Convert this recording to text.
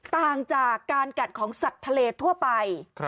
ต่างจากการกัดของสัตว์ทะเลทั่วไป